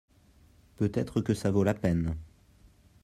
peut-être que ça vaut la peine.